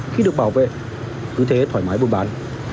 khi được bảo vệ cứ thế thoải mái buôn bán